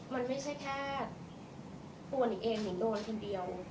มันไม่ใช่แค่ปวดอีกเอ็งอย่างโดนคนเดียว